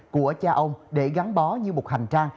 của cha ông để gắn bó như một hành trang